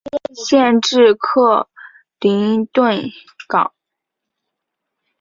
县治克林顿港。